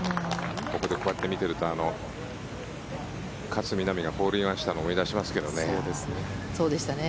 ここでこうやって見ていると勝みなみがホールインワンしたのを思い出しますけどね。